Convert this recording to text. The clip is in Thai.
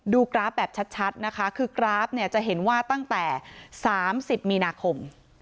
กราฟแบบชัดนะคะคือกราฟเนี่ยจะเห็นว่าตั้งแต่๓๐มีนาคม